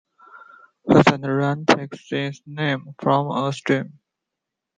Pleasant Run takes its name from a stream.